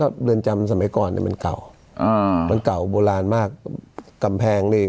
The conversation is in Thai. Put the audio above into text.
เรือนจำสมัยก่อนเนี้ยมันเก่าอ่ามันเก่าโบราณมากกำแพงนี่